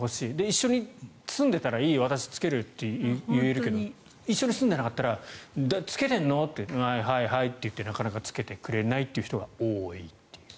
一緒に住んでいたら私、つけるって言えるけど一緒に住んでなかったらつけてんの？ってはいはいって言ってなかなかつけてくれない人が多いという。